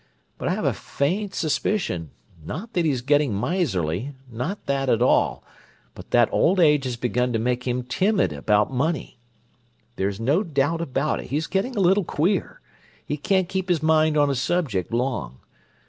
But I have a faint suspicion, not that he's getting miserly—not that at all—but that old age has begun to make him timid about money. There's no doubt about it, he's getting a little queer: he can't keep his mind on a subject long.